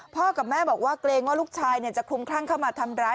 กับแม่บอกว่าเกรงว่าลูกชายจะคลุมคลั่งเข้ามาทำร้าย